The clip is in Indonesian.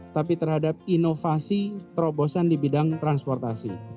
tapi terhadap inovasi terobosan di bidang transportasi